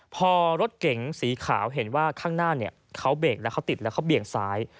พอรถเก๋งสีขาวเห็นว่าข้างหน้าเขาเบรกแล้วเขาติดแล้วเขาเบี่ยงซ้าย